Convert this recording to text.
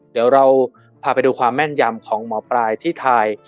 เดี๋ยวเราพาไปดูความแม่นยำของหมอปลายที่ทาย